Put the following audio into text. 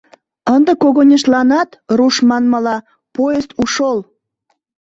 Ынде когыньыштланат, руш манмыла, «поезд ушёл».